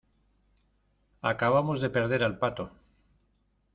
acabamos de perder al pato.